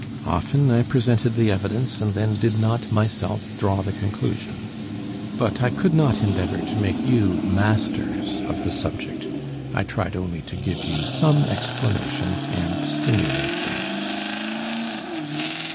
Often I presented the evidence and then did not myself draw the conclusion. But I could not endeavor to make you masters of the subject. I tried only to give you some explanation and stimulation.